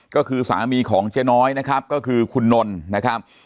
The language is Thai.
ก็คือสามีของเจ๊น้อยนะครับก็คือคุณนนท์นะครับ